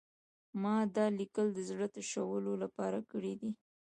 ما دا لیکل د زړه تشولو لپاره کړي دي